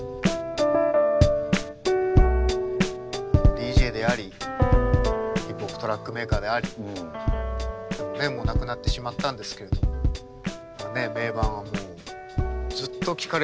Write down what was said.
ＤＪでありヒップホップトラックメーカーでありもう亡くなってしまったんですけれども名盤はずっと聴かれ続けてますから。